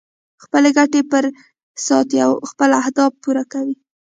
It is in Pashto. خپلې ګټې پرې ساتي او خپل اهداف پوره کوي.